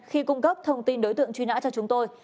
khi cung cấp thông tin đối tượng truy nã cho chúng tôi